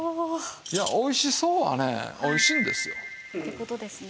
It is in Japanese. いや「おいしそう」はねおいしいんですよ。って事ですね。